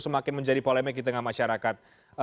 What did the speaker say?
semakin menjadi polemik di tengah masyarakat